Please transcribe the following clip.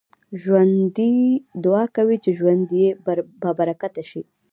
ژوندي دعا کوي چې ژوند يې بابرکته شي